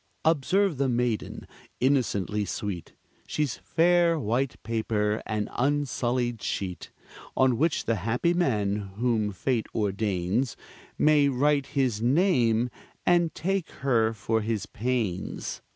Observe the maiden, innocently sweet; She's fair white paper, an unsullied sheet, On which the happy man, whom fate ordains, May write his name, and take her for his pains.